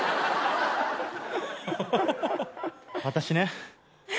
私ね。